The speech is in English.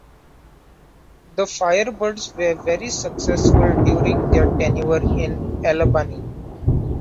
The Firebirds were very successful during their tenure in Albany.